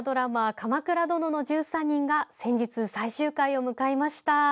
「鎌倉殿の１３人」が先日最終回を迎えました。